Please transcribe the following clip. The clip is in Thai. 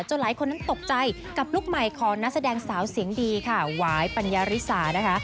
หลายคนนั้นตกใจกับลูกใหม่ของนักแสดงสาวเสียงดีค่ะหวายปัญญาริสานะคะ